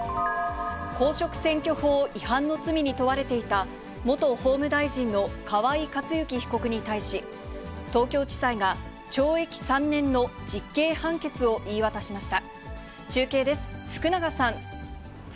公職選挙法違反の罪に問われていた、元法務大臣の河井克行被告に対し、東京地裁が懲役３年の実刑判決を言い渡しました。